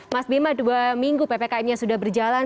mas bima dua minggu ppkm nya sudah berjalan